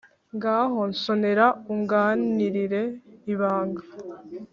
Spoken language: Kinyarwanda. Ngaho nsonera unganire ibanga